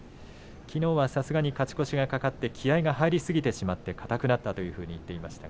きのうは、さすがに勝ち越しがかかって気合いが入りすぎてしまってかたくなったと言っていました。